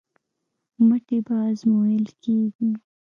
مټې به ازمویل کېږي.